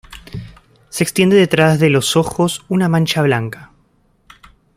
Se extiende detrás de los ojos una mancha blanca.